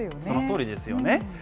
そのとおりですよね。